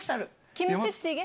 キムチチゲ。